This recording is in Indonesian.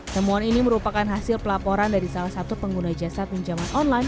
temuan ini merupakan hasil pelaporan dari salah satu pengguna jasa pinjaman online